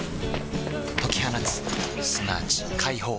解き放つすなわち解放